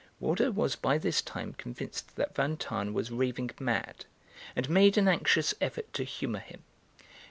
Waldo was by this time convinced that Van Tahn was raving mad, and made an anxious effort to humour him.